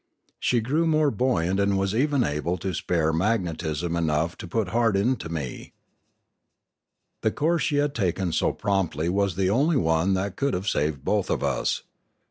She grew more buoyant and was even able to spare magnetism enough to put heart into me. The course she had taken so promptly was the only one that could have saved both of us.